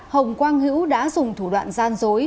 hồng quang hữu đã dùng thủ đoạn gian dối